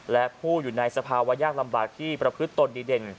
และผู้อยู่ในสภาวะยากลำบากที่ประพฤติตนดีเด่น